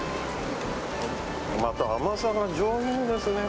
また、甘さが上品ですね。